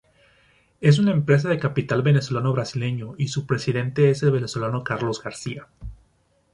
Es una empresa de capital venezolano-brasileño y su presidente es el venezolano Carlos García.